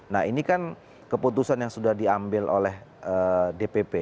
nah ini kan keputusan yang sudah diambil oleh dpp